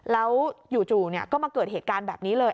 แล้วจู่ก็มาเกิดเหตุการณ์แบบนี้เลย